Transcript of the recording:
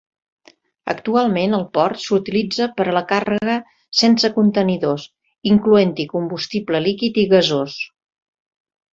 Actualment el port s'utilitza per a la càrrega sense contenidors, incloent-hi combustible líquid i gasós.